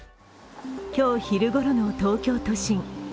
今日昼ごろの東京都心。